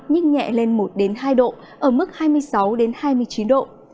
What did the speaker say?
nhiệt độ tăng nhích nhẹ lên một đến hai độ ở mức hai mươi sáu đến hai mươi chín độ